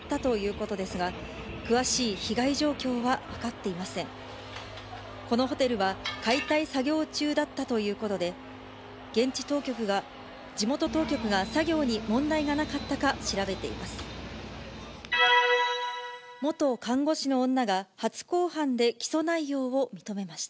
このホテルは解体作業中だったということで、地元当局が作業に問題がなかったか調べています。